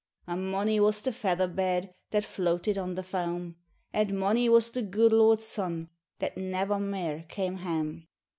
And mony was the feather bed That floated on the faeni, And mony was the gude lord's son That never mair came harne.